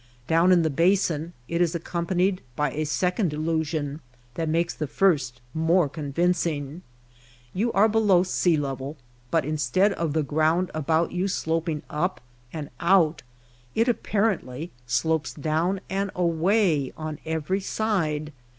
Down in the basin it is accompanied by a second illusion that makes the first more convincing. You are below sea level, but instead of the ground about you sloping up and out, it apparently slopes down and away on every side.